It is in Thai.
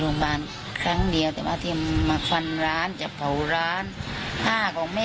โรงพยาบาลครั้งเดียวแต่ว่าเทียบมาควันร้านจะเผาร้านห้าของแม่